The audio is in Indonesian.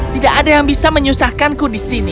tidak ada yang bisa menyusahkanku di sini